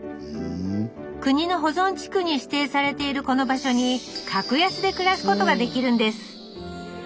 国の保存地区に指定されているこの場所に格安で暮らすことができるんです。